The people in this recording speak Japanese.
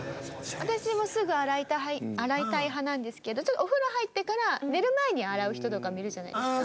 私もすぐ洗いたい洗いたい派なんですけどちょっとお風呂入ってから寝る前に洗う人とかもいるじゃないですか。